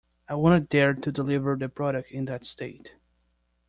I wouldn't dare to deliver the product in that state.